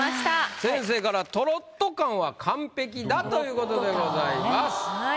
先生から「トロッと感は完璧」だということでございます。